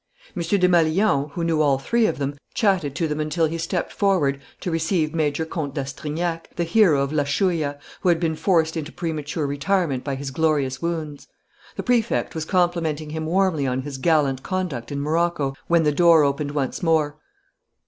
M. Desmalions, who knew all three of them, chatted to them until he stepped forward to receive Major Comte d'Astrignac, the hero of La Chouïa, who had been forced into premature retirement by his glorious wounds. The Prefect was complimenting him warmly on his gallant conduct in Morocco when the door opened once more.